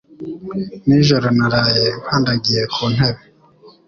Nijoro naraye nkandagiye kuntebe.